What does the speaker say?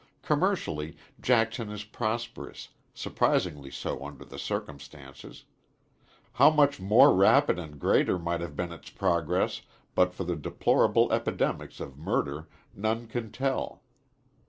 Commercially, Jackson is prosperous, surprisingly so under the circumstances. How much more rapid and greater might have been its progress but for the deplorable epidemics of murder, none can tell.